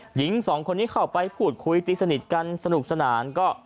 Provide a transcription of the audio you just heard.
หญิงสองคนนี้เข้าไปพูดคุยตีสนิทกันสนุกสนานก็